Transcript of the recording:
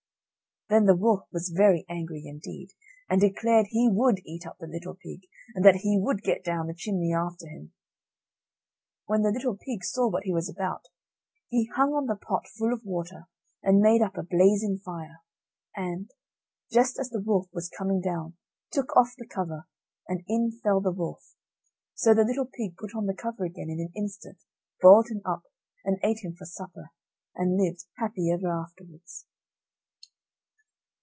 Then the wolf was very angry indeed, and declared he would eat up the little pig, and that he would get down the chimney after him. When the little pig saw what he was about, he hung on the pot full of water, and made up a blazing fire, and, just as the wolf was coming down, took off the cover, and in fell the wolf; so the little pig put on the cover again in an instant, boiled him up, and ate him for supper, and lived happy ever afterwards.